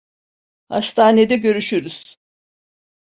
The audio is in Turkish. Hastanede görüşürüz.